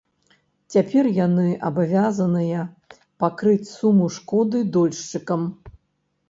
Цяпер яны абавязаныя пакрыць суму шкоды дольшчыкам.